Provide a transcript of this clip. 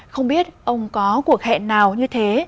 không biết ông có cuộc hẹn nào như thế